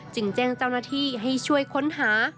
แจ้งเจ้าหน้าที่ให้ช่วยค้นหา